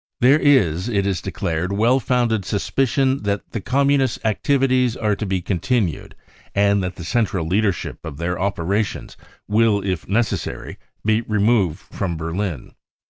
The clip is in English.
There is, it is declared, 1 THE jREAL INCENDIARIES well founded suspicion that the Communist 1 activities are to be continued and that the central leadership of their operations will if necessary be removed from Berlin.